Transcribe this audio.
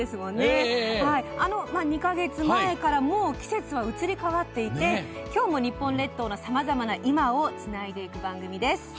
あの２か月前からもう季節は移り変わっていて今日も日本列島のさまざまな今をつないでいく番組です。